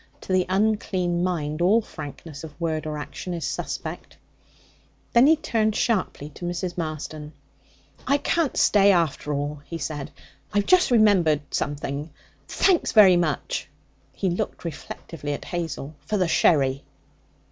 To the unclean mind all frankness of word or action is suspect. Then he turned sharply to Mrs. Marston. 'I can't stay, after all,' he said; 'I've just remembered something. Thanks very much' he looked reflectively at Hazel for the sherry.'